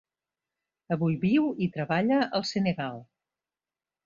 Avui viu i treballa al Senegal.